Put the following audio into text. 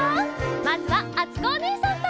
まずはあつこおねえさんと！